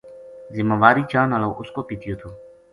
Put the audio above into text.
ذماواری چان ہالو اس کو پِتیو تھو